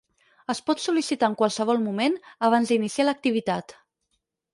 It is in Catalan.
Es pot sol·licitar en qualsevol moment, abans d'iniciar l'activitat.